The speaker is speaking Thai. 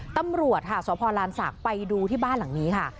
ตำรวจพครารสาฯไปดูที่บ้านเหลหังนี้ครับ